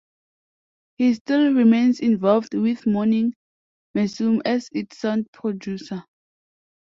He still remains involved with Morning Musume as its Sound Producer.